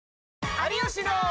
有吉の。